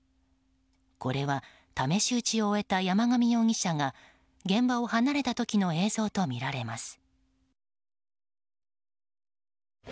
これは試し撃ちを終えた山上容疑者が現場を離れた時の映像とみられます。